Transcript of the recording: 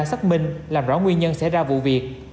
xác minh làm rõ nguyên nhân xảy ra vụ việc